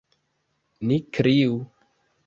Ni kriu!